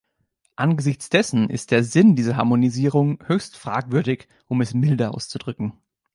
Angesichts dessen ist der Sinn dieser Harmonisierung höchst fragwürdig, um es milde auszudrücken.